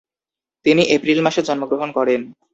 তিনি এপ্রিল মাসে জন্মগ্রহণ করেন।